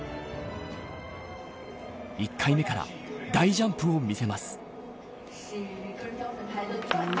１回目から大ジャンプを見せます。